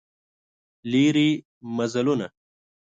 لیري مزلونه